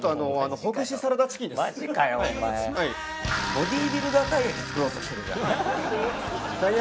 ボディービルダーたい焼き作ろうとしてるじゃん。